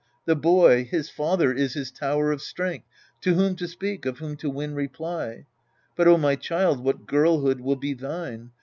The boy his father is his tower of strength To whom to speak, of whom to win reply : But, O my child, what girlhood will be thine